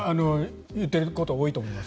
言っていること多いと思います。